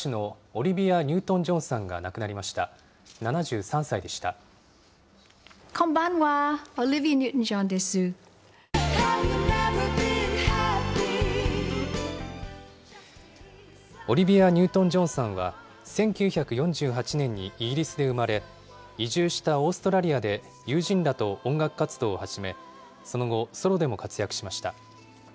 オリビア・ニュートンジョンさんは、１９４８年にイギリスで生まれ、移住したオーストラリアで友人らと音楽活動を始め、その後、ソロでも活躍しました。